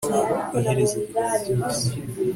ku iherezo rya byose